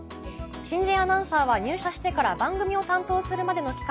新人アナウンサーは入社してから番組を担当するまでの期間